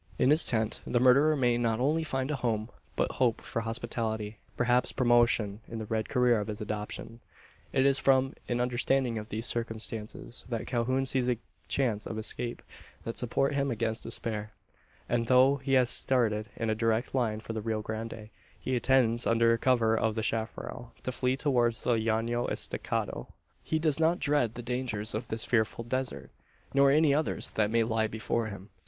In his tent, the murderer may not only find a home, but hope for hospitality perhaps promotion, in the red career of his adoption! It is from an understanding of these circumstances, that Calhoun sees a chance of escape, that support him against despair; and, though he has started in a direct line for the Rio Grande, he intends, under cover of the chapparal, to flee towards the Llano Estacado. He does not dread the dangers of this frightful desert; nor any others that may lie before him.